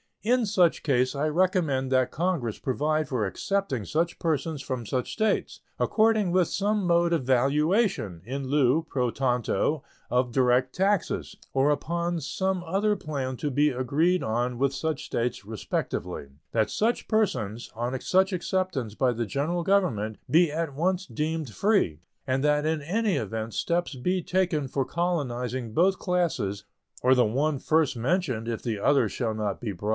In such case I recommend that Congress provide for accepting such persons from such States, according to some mode of valuation, in lieu, pro tanto, of direct taxes, or upon some other plan to be agreed on with such States respectively; that such persons, on such acceptance by the General Government, be at once deemed free, and that in any event steps be taken for colonizing both classes (or the one first mentioned if the other shall not be brought into existence) at some place or places in a climate congenial to them.